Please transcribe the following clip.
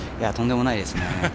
とんでもないですね。